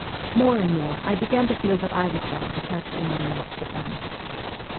More and more I began to feel that I was bound to cast in my lot with them.